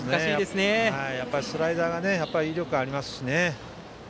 スライダーが威力がありますしね。